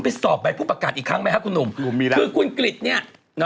ยายอยายกิถสีภูมิเศษเนี่ย